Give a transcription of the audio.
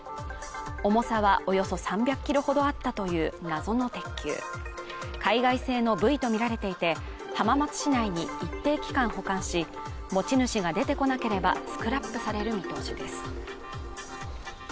重さはおよそ３００ｋｇほどあったという謎の鉄球海外製のブイとみられていて、浜松市内に一定期間保管し、持ち主が出てこなければ、スクラップされる見通しです。